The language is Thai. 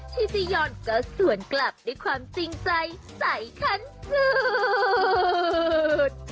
ชีทียอนก็สุนกลับด้วยความจริงใจใสขันศืด